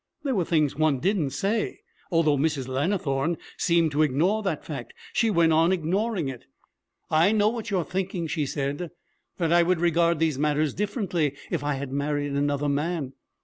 There were things one didn't say, although Mrs. Lannithorne seemed to ignore the fact. She went on ignoring it. 'I know what you are thinking,' she said, 'that I would regard these matters differently if I had married another man.